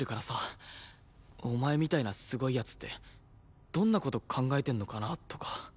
お前みたいなすごい奴ってどんな事考えてんのかなとか。